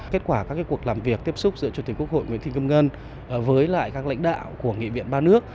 kết quả các cuộc làm việc tiếp xúc giữa chủ tịch quốc hội nguyễn thị kim ngân với lại các lãnh đạo của nghị viện ba nước